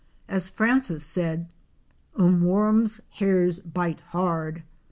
As Francis said, '' Um wurrum's hairs bite hard!"